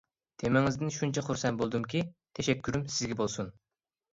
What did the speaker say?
تېمىڭىزدىن شۇنچە خۇرسەن بولدۇمكى، تەشەككۈرۈم سىزگە بولسۇن.